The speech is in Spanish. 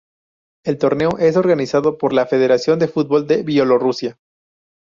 El torneo es organizado por la Federación de Fútbol de Bielorrusia.